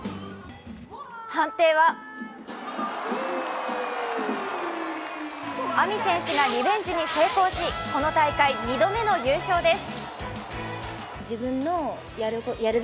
判定はＡＭＩ選手がリベンジに成功しこの大会２度目の優勝です。